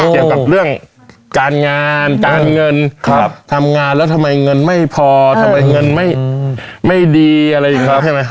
เกี่ยวกับเรื่องการงานการเงินทำงานแล้วทำไมเงินไม่พอทำไมเงินไม่ดีอะไรอย่างนี้ใช่ไหม